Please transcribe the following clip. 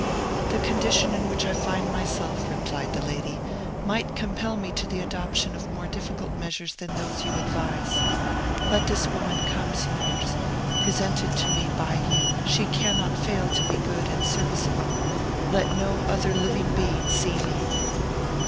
"The condition in which I find myself," replied the lady, "might compel me to the adoption of more difficult measures than those you advise. Let this woman come, Signors; presented to me by you, she cannot fail to be good and serviceable; but I beseech you let no other living being see me."